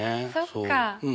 そっか。